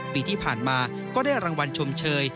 ปีที่ผ่านมาก็ได้รางวัลชมเชย